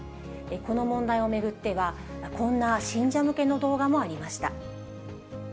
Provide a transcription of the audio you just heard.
この問題を巡っては、こんな信者向けの動画もありました。